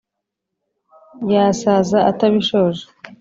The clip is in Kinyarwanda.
yasaza atabishoje